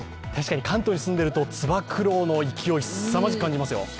確かに関東に住んでいると、つば九郎の勢い、感じますよ。